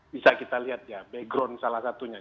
bisa kita lihat ya background salah satunya